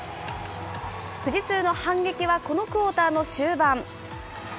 富士通の反撃はこのクオーターの終盤。